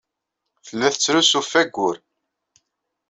Tella tettrusu ɣef wayyur.